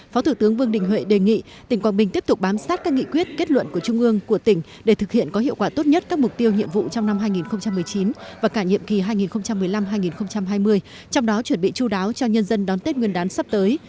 phó thủ tướng vương đình huệ đề nghị tỉnh quảng bình tiếp tục bám sát các nghị quyết kết luận của trung ương của tỉnh để thực hiện có hiệu quả tốt nhất các mục tiêu nhiệm vụ trong năm hai nghìn một mươi chín và cả nhiệm kỳ hai nghìn một mươi năm hai nghìn hai mươi trong đó chuẩn bị chú đáo cho nhân dân đón tết nguyên đán sắp tới